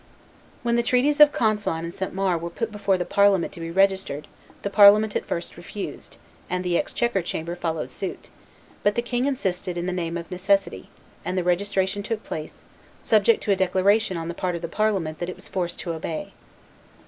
When the treaties of Conflans and St. Maur were put before the parliament to be registered, the parliament at first refused, and the exchequer chamber followed suit; but the king insisted in the name of necessity, and the registration took place, subject to a declaration on the part of the parliament that it was forced to obey.